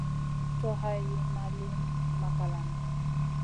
Coh hay lìyn ma li makalana.